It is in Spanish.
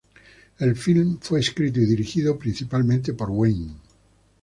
El film fue escrito y dirigido por principalmente por Wayne.